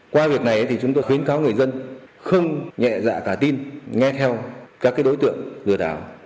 qua việc này thì chúng tôi khuyến cáo người dân không nhẹ dạ cả tin nghe theo các đối tượng lừa đảo